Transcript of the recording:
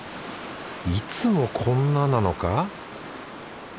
いつもこんななのか？